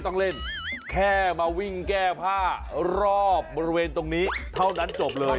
ต้องเล่นแค่มาวิ่งแก้ผ้ารอบบริเวณตรงนี้เท่านั้นจบเลย